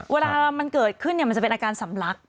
เวลามันเกิดขึ้นมันจะเป็นอาการสำลัก